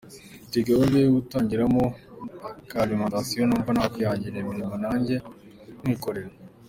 Mfite gahunda yo gutangiramo aka alimentation, numva nakwihangira imirimo nanjye nkikorera.